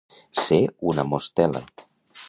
Ser una mostela.